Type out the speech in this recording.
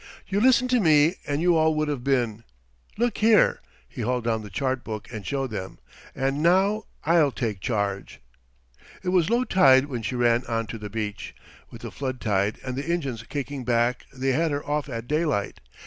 You listened to me and you all would have been. Look here" he hauled down the chart book and showed them. "And now I'll take charge." It was low tide when she ran on to the beach. With the flood tide and the engines kicking back they had her off at daylight.